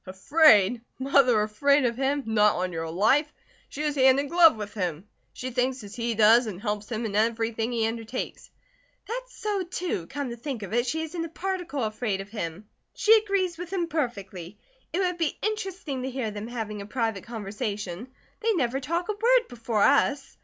"Afraid? Mother afraid of him? Not on your life. She is hand in glove with him. She thinks as he does, and helps him in everything he undertakes." "That's so, too. Come to think of it, she isn't a particle afraid of him. She agrees with him perfectly. It would be interesting to hear them having a private conversation. They never talk a word before us.